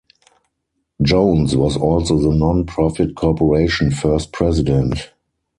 Jones was also the non-profit corporation's first president.